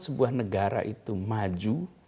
sebuah negara itu maju